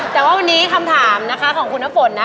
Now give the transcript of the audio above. แต่ว่าวันนี้คำถามนะคะของคุณน้ำฝนนะ